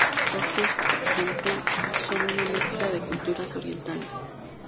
Estos "exempla" son una mezcla de culturas orientales.